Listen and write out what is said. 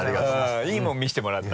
いいもの見せてもらった。